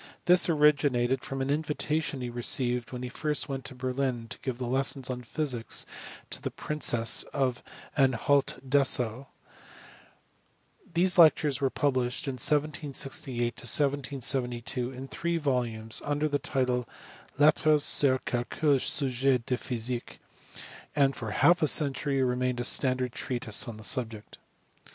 This ori ginated from an invitation he received when he first went to Berlin to give lessons on physics to the princess of Anhalt Dessau. These lectures were published in 1768 1772 in three volumes under the title Lettres...sur quelques sujets de physique..., and for half a century remained a standard treatise on the subject.